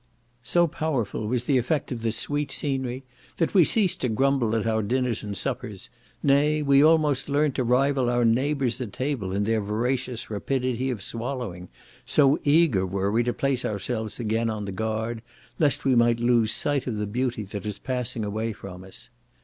So powerful was the effect of this sweet scenery, that we ceased to grumble at our dinners and suppers; nay, we almost learnt to rival our neighbours at table in their voracious rapidity of swallowing, so eager were we to place ourselves again on the guard, lest we might lose sight of the beauty that was passing away from us.